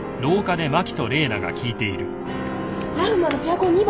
ラフマのピアコン『２番』？